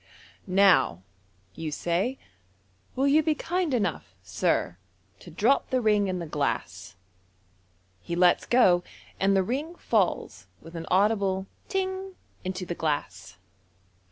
" Now," you say, " will you be kind enough, sir, to drop the ring in the glass.*' He lets go, and the ring falls with an audible "ting" into the glass.